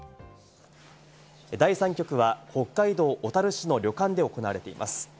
第３局は北海道小樽市の旅館で行われています。